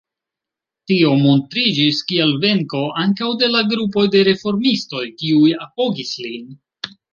Tio montriĝis kiel venko ankaŭ de la grupoj de reformistoj kiuj apogis lin.